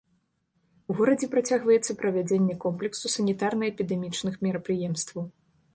У горадзе працягваецца правядзенне комплексу санітарна-эпідэмічных мерапрыемстваў.